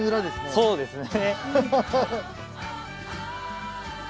そうですね。